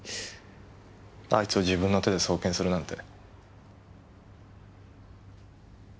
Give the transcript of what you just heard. あいつを自分の手で送検するなんて。